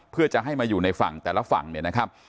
เพื่อจะให้มาอยู่ในฝั่งแต่ละฝั่งเนี่ยนะครับ